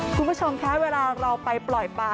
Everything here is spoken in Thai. คุณผู้ชมคะเวลาเราไปปล่อยป่า